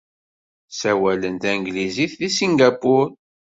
Ssawalen tanglizit deg Singapur.